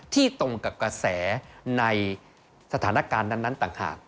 ตรงกับกระแสในสถานการณ์นั้นต่างหาก